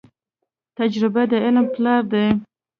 تجربه د علم پلار دی.